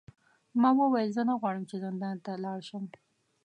ما وویل زه نه غواړم چې زندان ته لاړ شم.